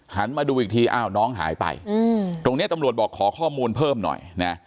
มาดูอีกทีอ้าวน้องหายไปตรงนี้ตำรวจบอกขอข้อมูลเพิ่มหน่อยนะ